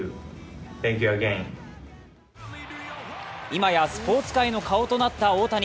今やスポーツ界の顔となった大谷。